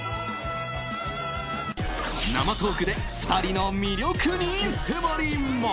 生トークで２人の魅力に迫ります。